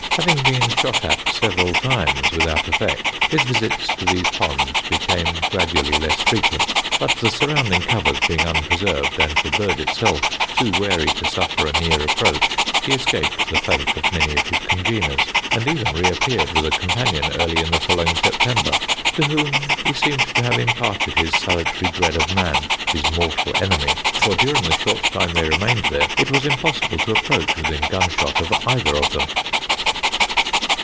Having been shot at several times without effect, his visits to these ponds became gradually less frequent, but the surrounding covers being unpreserved, and the bird itself too wary to suffer a near approach, he escaped the fate of many of his congeners, and even re appeared with a companion early in the following September, to whom he seemed to have imparted his salutary dread of man his mortal enemy for during the short time they remained there it was impossible to approach within gunshot of either of them."